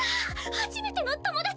初めての友達！